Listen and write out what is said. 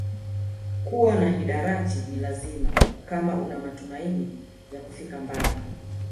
Kuwa na hidarati ni lazima kama una matumaini ya kufika mbali